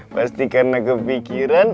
pasti karena kepikiran